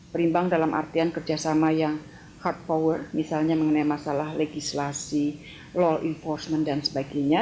berimbang dalam artian kerjasama yang hard power misalnya mengenai masalah legislasi law enforcement dan sebagainya